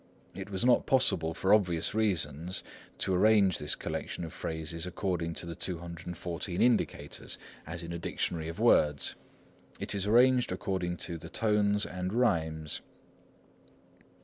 It was not possible, for obvious reasons, to arrange this collection of phrases according to the 214 indicators, as in a dictionary of words. It is arranged according to the Tones and Rhymes.